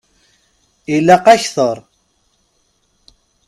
Ilaq akter.